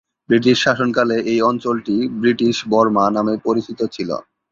British শাসনকালে এই অঞ্চলটি "ব্রিটিশ বর্মা" নামে পরিচিত ছিলো।